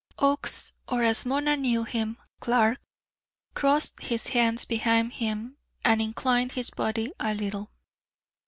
Oakes, or, as Mona knew him, Clark, crossed his hands behind him and inclined his body a little.